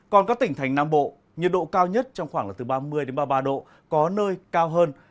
còn các tỉnh thành nam bộ nhiệt độ cao nhất trong khoảng là từ ba mươi ba mươi ba độ có nơi cao hơn